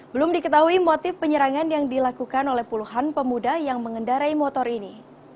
belum diketahui motif penyerangan yang dilakukan oleh puluhan pemuda yang mengendarai motor ini